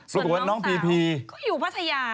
ส่วนน้องสาวก็อยู่พัทยา